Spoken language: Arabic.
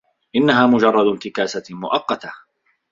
إنّها مجرّد انتكاسة مؤقّتة.